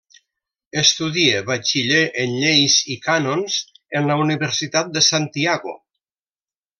Estudia batxiller en lleis i cànons en la Universitat de Santiago.